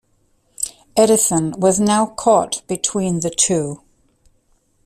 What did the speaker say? Edison was now caught between the two.